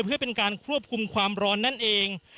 เพื่อเป็นการควบคุมความร้อนนั่นเอง